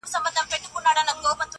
لکه سرو معلومداره په چمن کي!.